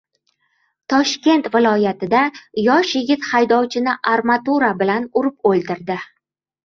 Toshkent viloyatida yosh yigit haydovchini armatura bilan urib o‘ldirdi